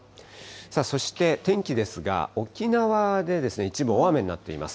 そして天気ですが、沖縄で一部大雨になっています。